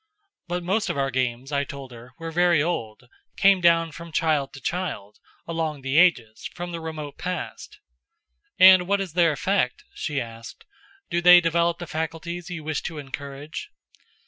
But most of our games, I told her, were very old came down from child to child, along the ages, from the remote past. "And what is their effect?" she asked. "Do they develop the faculties you wish to encourage?"